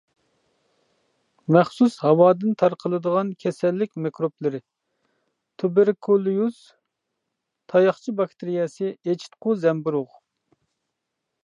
مەخسۇس ھاۋادىن تارقىلىدىغان كېسەللىك مىكروبلىرى: تۇبېركۇليۇز تاياقچە باكتېرىيەسى، ئېچىتقۇ زەمبۇرۇغ.